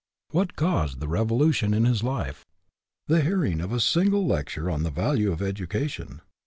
What caused the revolution in his life? The hearing of a single lecture on the value of edu cation.